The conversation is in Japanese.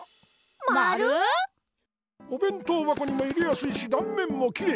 まる⁉おべん当ばこにも入れやすいしだんめんもきれい。